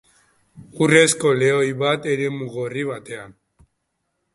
Urrezko lehoi bat eremu gorri batean.